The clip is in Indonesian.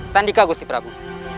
sandika gusti prabu